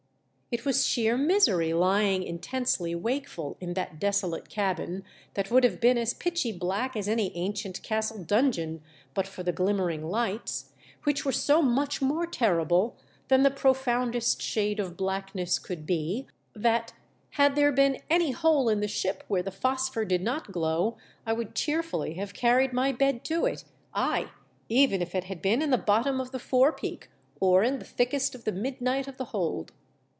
It was sheer misery lying intensely wakeful In that desolate cabin, that would have been as pitchy black as any ancient castle dungeon but for the o limmerinsf liorhts, which were so much more terrible than the profoundest shade of blackness could be, that had there been any hole in the ship where the phosphor did not glow, I would cheerfully have carried my bed to it, ay, even if it had been in the bottom of the fore peak or in the thickest of the midnight of the hold.